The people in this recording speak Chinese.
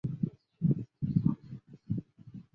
他也代表波黑国家足球队参赛。